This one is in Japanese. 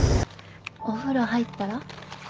お風呂入ったら？